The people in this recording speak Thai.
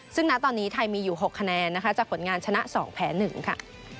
ซึ่งณตอนนี้ไทยมีอยู่๖คะแนนนะคะจากผลงานชนะ๒แพ้๑ค่ะ